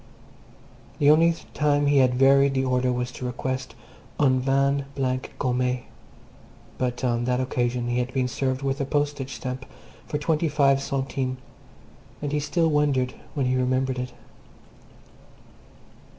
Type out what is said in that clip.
The only time he had varied the order was to request "un vin blanc gommée," but on that occasion he had been served with a postage stamp for twenty five centimes, and he still wondered when he remembered it.